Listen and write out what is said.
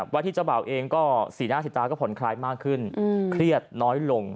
วาที่เจ้าบ่าวเองก็ศรีนาศิษยาก็ผลคลายมากขึ้นเครียดน้อยลง